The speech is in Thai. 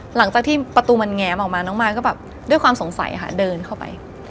หลังจากที่ประตูมันแง้มออกมาน้องมายก็แบบด้วยความสงสัยค่ะเดินเข้าไป